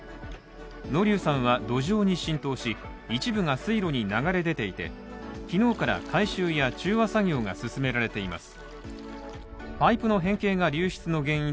濃硫酸は土壌に浸透し、一部が水路に流れ出ていて、昨日から回収や中和作業が進められています。